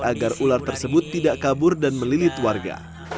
agar ular tersebut tidak kabur dan melilit warga